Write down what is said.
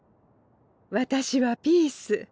私はピース。